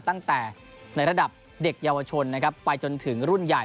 ตั้งแต่ในระดับเด็กเยาวชนนะครับไปจนถึงรุ่นใหญ่